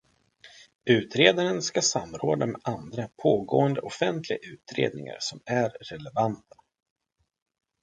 Utredaren ska samråda med andra pågående offentliga utredningar som är relevanta.